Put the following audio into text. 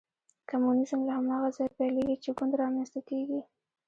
کمونیزم له هماغه ځایه پیلېږي چې ګوند رامنځته کېږي.